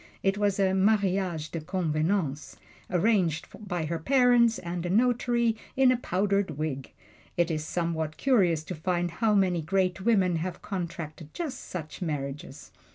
It was a "mariage de convenance" arranged by her parents and a notary in a powdered wig. It is somewhat curious to find how many great women have contracted just such marriages.